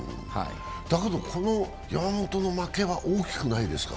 だけど山本の負けは大きくないですか？